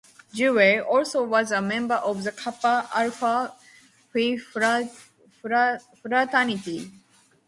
Jewell also was a member of the Kappa Alpha Phi fraternity.